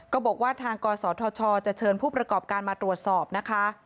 ก็บอกว่าทางกศธชจะเชิญผู้ประกอบการมาตรวจสอบนะคะ